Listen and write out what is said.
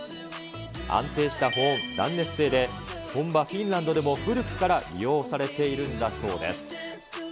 安定した保温、断熱性で、本場、フィンランドでも古くから利用されているんだそうです。